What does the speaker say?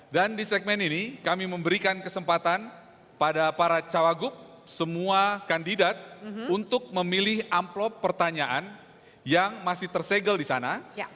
dan di segmen ini kami memberikan kesempatan pada para cawagup semua kandidat untuk memilih amplop pertanyaan yang masih tersegel di sana